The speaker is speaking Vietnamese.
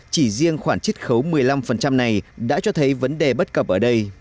chỉ riêng khoản chích khấu một mươi năm này đã cho thấy vấn đề bất cập ở đây